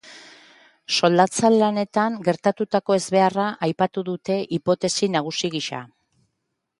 Soldatze lanetan gertatutako ezbeharra aipatu dute hipotesi nagusi gisa.